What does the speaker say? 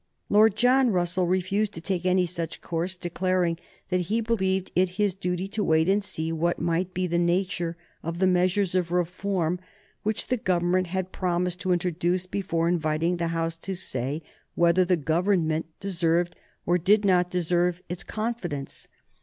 Lord John Russell refused to take any such course, declaring that he believed it his duty to wait and see what might be the nature of the measures of reform which the Government had promised to introduce before inviting the House to say whether the Government deserved or did not deserve its confidence.